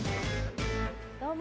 どうも！